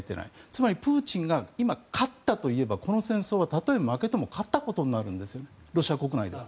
つまり、プーチンが今、勝ったと言えばこの戦争はたとえ負けても勝ったことになるんですロシア国内では。